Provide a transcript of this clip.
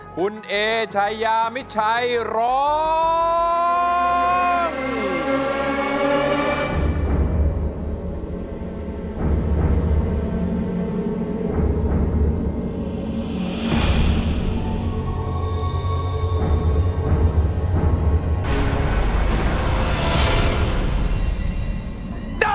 คุณเอชายามิดชัยร้อง